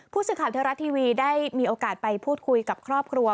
ผู้สื่อข่าวเทวรัฐทีวีได้มีโอกาสไปพูดคุยกับครอบครัว